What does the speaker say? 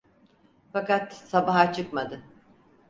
Fakat sabaha çıkmadı.